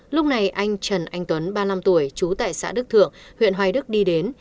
lúc này anh trần anh tuấn ba mươi năm tuổi trú tại xã đức thượng huyện hoài đức đi đến